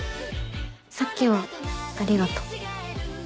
さっきはありがとう。